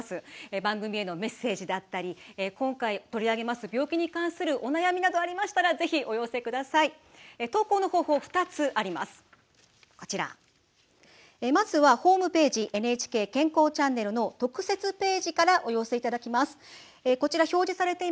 番組へのメッセージだったり今回取り上げます病気に関するお悩みなどありましたらぜひ投稿をお寄せください。